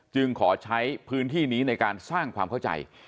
ขอใช้พื้นที่นี้ในการสร้างความเข้าใจ